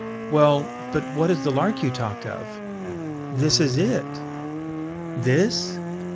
"Well, but what is the lark you talked of?" "This is it." "This?